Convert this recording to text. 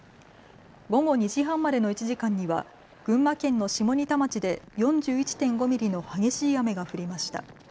午後２時半までの１時間には群馬県の下仁田町で４１．５ミリの激しい雨が降りました。